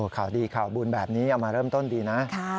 ข่าวดีข่าวบุญแบบนี้เอามาเริ่มต้นดีนะ